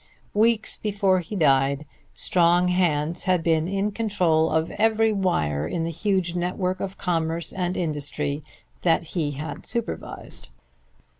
Weeks before he died strong hands had been in control of every wire in the huge network of commerce and industry that he had supervised.